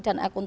dan aku juga